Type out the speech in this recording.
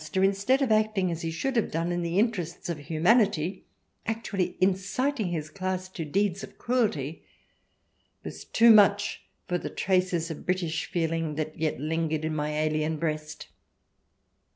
To see a schoolmaster, instead of acting as he should have done in the interests of humanity, actually inciting his class to deeds of cruelty was too much for the traces of British feeling that yet lingered in my alien breast.